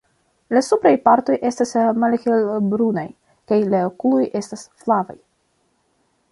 La supraj partoj estas malhelbrunaj, kaj la okuloj estas flavaj.